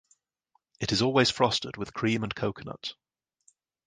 It is always frosted with cream and coconut.